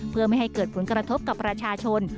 เพื่อไม่ให้เกิดผลกระทบกับประชาชน